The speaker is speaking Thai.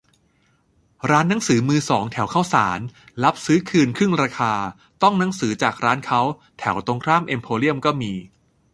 ร้านหนังสือมือสองแถวข้าวสาร รับซื้อคืนครึ่งราคา ต้องหนังสือจากร้านเค้า แถวตรงข้ามเอ็มโพเรียมก็มี